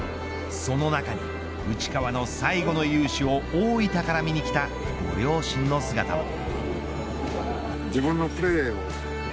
その中に内川の最後の雄姿を大分から見に来たご両親の姿も。